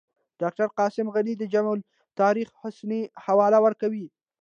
ډاکټر قاسم غني د جامع التواریخ حسني حواله ورکوي.